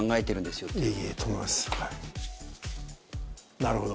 なるほど。